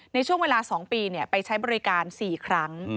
ในช่วงเวลา๒ปีไปใช้บริการ๔ครั้ง